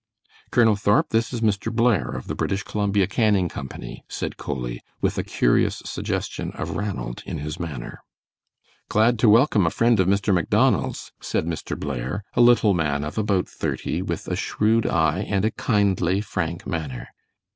"Colonel Thorp, this is Mr. Blair, of the British Columbia Canning Company," said Coley, with a curious suggestion of Ranald in his manner. "Glad to welcome a friend of Mr. Macdonald's," said Mr. Blair, a little man of about thirty, with a shrewd eye and a kindly frank manner.